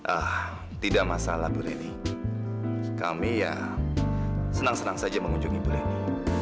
ah tidak masalah bu leni kami ya senang senang saja mengunjungi bu leni